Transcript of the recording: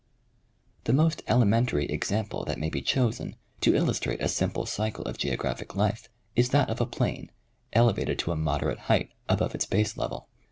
The most elementary example that may be chosen to illustrate a simple cycle of geographic life is that of a plain, elevated to a moderate height above its base level.